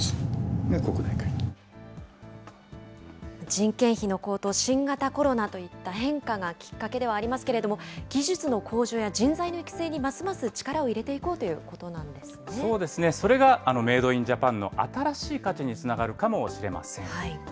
人件費の高騰、新型コロナといった変化がきっかけではありますけれども、技術の向上や人材の育成にますます力を入れていこうということなそうですね、それがメード・イン・ジャパンの新しい価値につながるかもしれません。